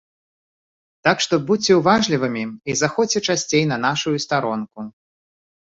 Так што будзьце уважлівымі і заходзьце часцей на нашую старонку!